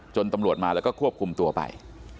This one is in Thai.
ตำรวจมาแล้วก็ควบคุมตัวไป